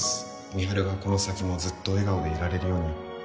美晴がこの先もずっと笑顔でいられるように